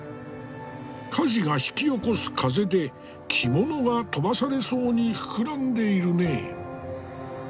火事が引き起こす風で着物が飛ばされそうに膨らんでいるね。